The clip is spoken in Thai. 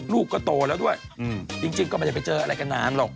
ลูกก็โตแล้วด้วยจริงก็ไม่ได้ไปเจออะไรกันนานหรอก